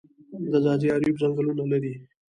د ځاځي اریوب ځنګلونه لري